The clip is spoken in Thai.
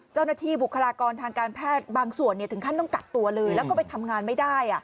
บุคลากรทางการแพทย์บางส่วนถึงขั้นต้องกักตัวเลยแล้วก็ไปทำงานไม่ได้